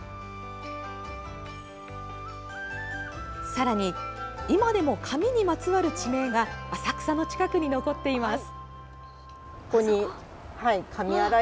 さらに、今でも紙にまつわる地名が浅草の近くに残っています。